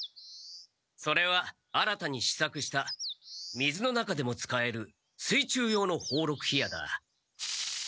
それは新たに試作した水の中でも使える水中用の宝禄火矢だ。